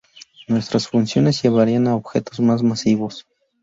Nuevas fusiones llevarían a objetos más masivos.